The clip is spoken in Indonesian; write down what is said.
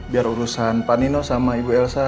biar urusan pak nino sama ibu elsa